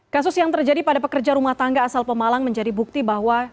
kasus yang terjadi pada pekerja rumah tangga asal pemalang menjadi bukti bahwa